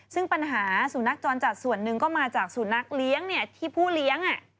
ซึ่งปัญหาสุนัขจรจัดส่วนหนึ่งก็มาจากสุนัขเลี้ยงที่ผู้เลี้ยง